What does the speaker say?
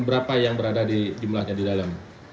berapa yang berada di jumlahnya di dalam